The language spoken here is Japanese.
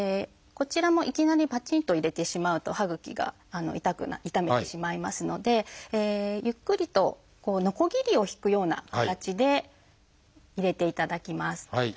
こちらもいきなりぱちんと入れてしまうと歯ぐきが傷めてしまいますのでゆっくりとノコギリを引くような形で入れていただきます。